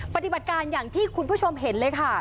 ปฏิบัติการอย่างที่คุณผู้ชมเห็นเลยค่ะ